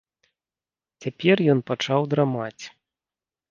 Цяпер ён пачаў драмаць.